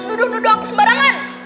nuduh nuduh aku sembarangan